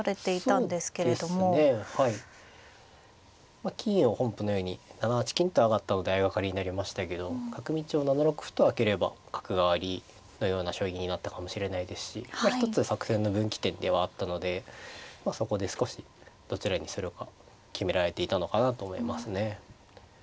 まあ金を本譜のように７八金と上がったので相掛かりになりましたけど角道を７六歩と開ければ角換わりのような将棋になったかもしれないですし一つ作戦の分岐点ではあったのでそこで少しどちらにするか決められていたのかなと思いますね。